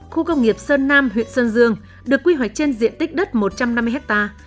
khu công nghiệp sơn nam huyện sơn dương được quy hoạch trên diện tích đất một trăm năm mươi hectare